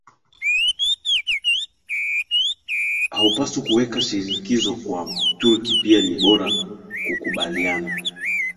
Haupaswi kuweka shinikizo kwa Turk pia ni bora kukubaliana